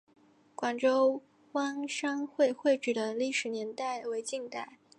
广州湾商会会址的历史年代为近代。